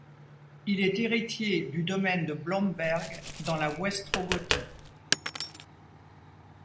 Il est héritier du domaine de Blomberg dans la Westrogothie.